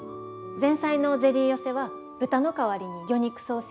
前菜のゼリー寄せは豚の代わりに魚肉ソーセージを。